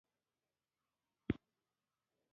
کله چي ما له تا سره لیدلې